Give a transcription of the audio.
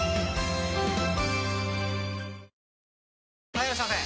・はいいらっしゃいませ！